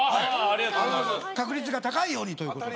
確率が高いようにということで。